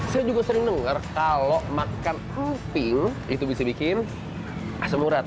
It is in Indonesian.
saya juga sering dengar kalau makan emping itu bisa bikin asam urat